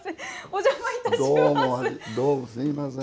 お邪魔いたします。